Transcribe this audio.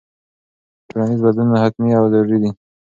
ټولنیز بدلونونه حتمي او ضروري دي.